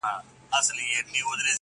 داسي وخت هم وو مور ويله راتــــــــــه_